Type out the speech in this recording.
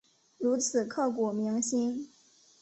如此刻骨铭心